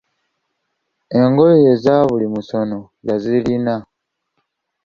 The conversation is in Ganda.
Engoye ezabuli musono yazirina.